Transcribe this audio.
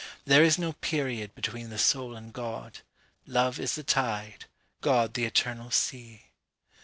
There is no periodBetween the soul and God; Love is the tide, God the eternal sea.